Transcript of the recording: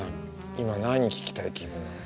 今何聴きたい気分なの？